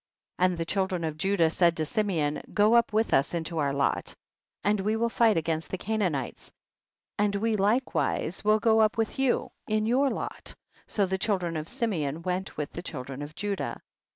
3. And the children of Judah said to Simeon, go up with us into our lot, and we will fight against the Canaanites and we likewise will go up with you, in your lot, so the children of Simeon went with the children of Judah.